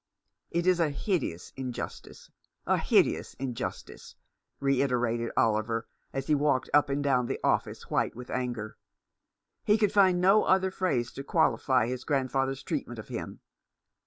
"It is a hideous injustice — a hideous injustice," reiterated Oliver, as he walked up and down the office, white with anger. He could find no other phrase to qualify his grandfather's treatment of him.